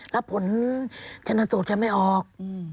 รับผลแชนทันโสตรแค่ไม่ออก